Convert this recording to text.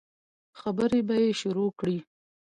خبرې به يې شروع کړې.